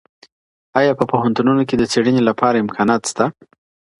ایا په پوهنتونونو کي د څېړنې لپاره امکانات سته؟